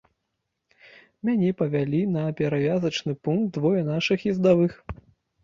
Мяне павялі на перавязачны пункт двое нашых ездавых.